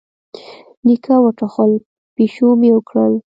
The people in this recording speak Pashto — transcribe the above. نيکه وټوخل، پيشو ميو کړل.